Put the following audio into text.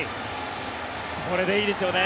これでいいですよね。